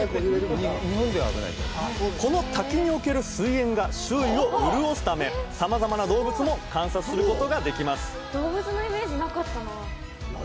この滝における水煙が周囲を潤すためさまざまな動物も観察することができます